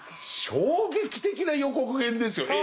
衝撃的な予告編ですよね。